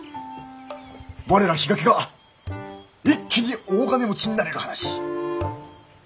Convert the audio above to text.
我ら比嘉家が一気に大金持ちになれる話。